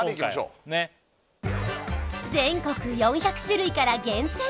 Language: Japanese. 今回ね全国４００種類から厳選！